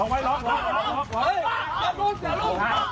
ก็เองก็อีกก็ไอ้อย่างรพหิว